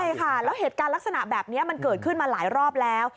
ใช่ค่ะแล้วเหตุการณ์ลักษณะแบบนี้มันเกิดขึ้นมาหลายรอบแล้ว